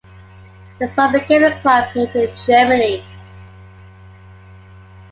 The song became a club hit in Germany.